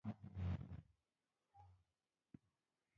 د سوړې له چته ډبرې راخطا سوې.